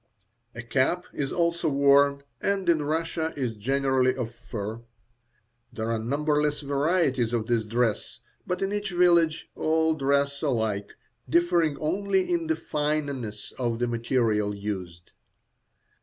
A cap is also worn, and in Russia is generally of fur. There are numberless varieties of this dress, but in each village all dress alike, differing only in the fineness of the material used.